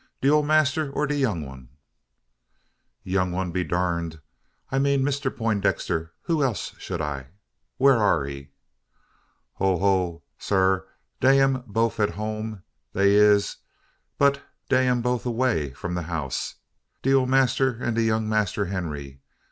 De ole massr, or de young 'un?" "Young 'un be durned! I mean Mister Peintdexter. Who else shed I? Whar air he?" "Ho ho! sar! dey am boaf at home dat is, dey am boaf away from de house de ole massr an de young Massr Henry.